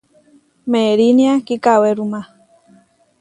Meʼerinia kikawéruma.